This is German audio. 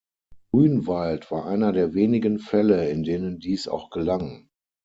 Grünwald war einer der wenigen Fälle, in denen dies auch gelang.